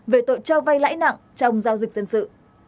về tội cho vay lãi nặng trong giao dịch dân sự